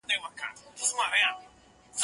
زه پرون پاکوالي وساته